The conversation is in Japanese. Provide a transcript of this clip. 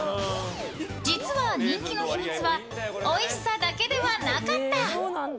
実は、人気の秘密はおいしさだけではなかった！